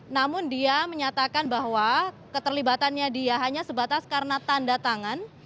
namun dia menyatakan bahwa keterlibatannya dia hanya sebatas karena tanda tangan